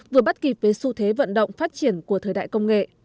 vừa bắt kịp với xu thế vận động phát triển của thời đại công nghệ